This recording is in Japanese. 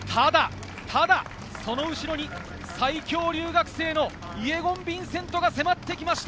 ただその後ろに最強留学生のイェゴン・ヴィンセントが迫ってきました。